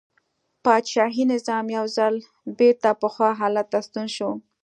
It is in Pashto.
پاچاهي نظام یو ځل بېرته پخوا حالت ته ستون شو.